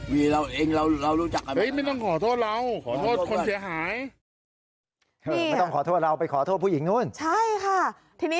พี่ถ้าไม่รู้จับน่ะพี่จะขอโทษพารุชนะ